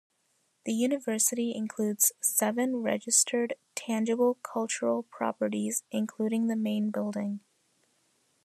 The university includes seven registered tangible cultural properties, including the main building.